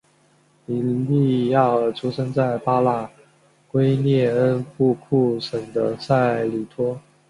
比利亚尔出生在巴拉圭涅恩布库省的塞里托。